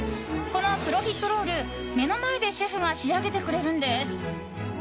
このプロフィットロール目の前でシェフが仕上げてくれるんです。